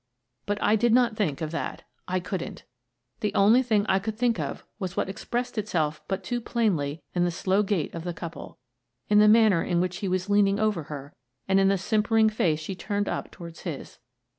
But I did not think of that I couldn't. The only thing I could think of was what expressed itself but too plainly in the slow gait of the couple ; in the manner in which he was lean ing over her, and in the simpering face she turned up toward his.